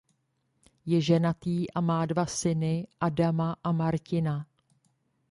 Je ženatý a má dva syny Adama a Martina.